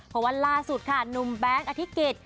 เพราะว่าล่าสุดค่ะหนุ่มแบงค์อธิกิจ